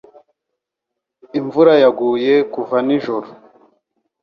Imvura yaguye kuva nijoro